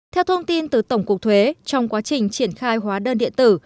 theo thông tin từ tổng cục thuế trong quá trình triển khai hóa đơn điện tử